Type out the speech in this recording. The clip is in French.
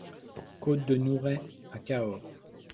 Côte de Nouret à Cahors